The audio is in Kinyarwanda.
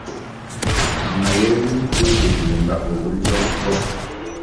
mayeri yo guhimba uburyo bwo